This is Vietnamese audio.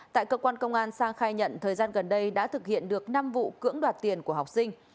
tại cơ quan công an sang khai nhận thời gian gần đây đã thực hiện được năm vụ cưỡng đoạt tiền của học sinh